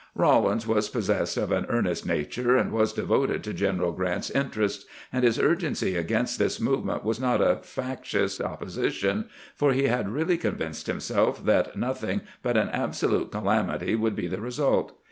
Rawlins was possessed of an earnest nature, and was devoted to General Grant's interests, and his urgency against this movement was not a factious opposition, for he had really convinced himself that nothing but an absolute calamity would be the result.